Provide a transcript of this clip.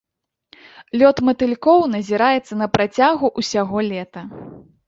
Лёт матылькоў назіраецца на працягу ўсяго лета.